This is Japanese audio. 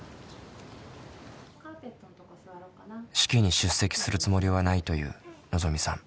式に出席するつもりはないというのぞみさん。